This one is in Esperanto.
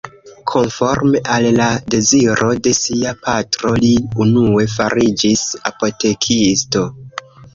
Konforme al la deziro de sia patro li unue fariĝis apotekisto.